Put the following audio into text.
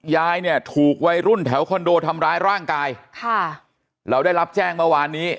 ยายเนี่ยถูกวัยรุ่นแถวคอนโดทำร้ายร่างกายค่ะเราได้รับแจ้งเมื่อวานนี้